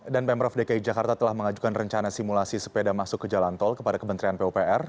dan pemprov dki jakarta telah mengajukan rencana simulasi sepeda masuk ke jalan tol kepada kementerian pupr